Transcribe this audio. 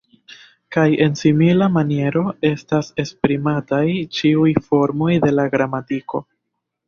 Kaj en simila maniero estas esprimataj ĉiuj formoj de la gramatiko.